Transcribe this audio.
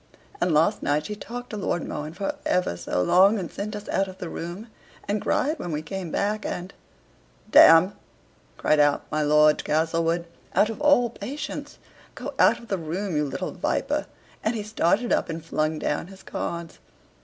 and last night she talked to Lord Mohun for ever so long, and sent us out of the room, and cried when we came back, and " "D n!" cried out my Lord Castlewood, out of all patience. "Go out of the room, you little viper!" and he started up and flung down his cards.